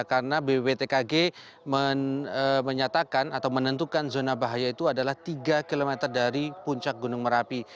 karena bwp tkg menyatakan atau menentukan zona bahaya itu adalah tiga km dari puncak gunung merapi